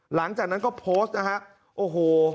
หลังจากนั้นก็โพสต์นะฮะโอ้โห